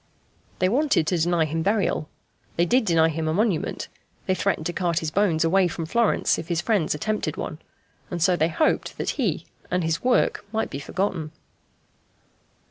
They wanted to deny him burial they did deny him a monument; they threatened to cart his bones away from Florence if his friends attempted one. And so they hoped that he and his work might be forgotten.